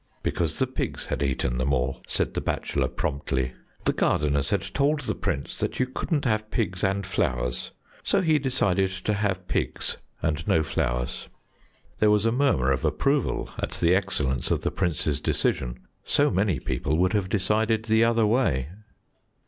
"Because the pigs had eaten them all," said the bachelor promptly. "The gardeners had told the Prince that you couldn't have pigs and flowers, so he decided to have pigs and no flowers." There was a murmur of approval at the excellence of the Prince's decision; so many people would have decided the other way.